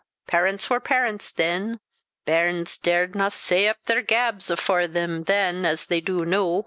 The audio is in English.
Paurents war paurents then; bairnes dardna set up their gabs afore them than as they du noo.